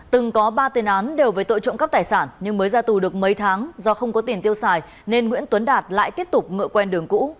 từng có ba tiền án đều về tội trộm cắp tài sản nhưng mới ra tù được mấy tháng do không có tiền tiêu xài nên nguyễn tuấn đạt lại tiếp tục ngựa quen đường cũ